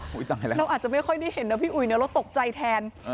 หรือเราอาจจะไม่ค่อยได้เห็นพี่อุ๋ยเราตกใจแทน